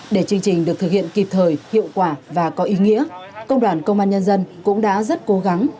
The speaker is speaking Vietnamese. để chương trình được thực hiện kịp thời hiệu quả và có ý nghĩa công đoàn công an nhân dân cũng đã rất cố gắng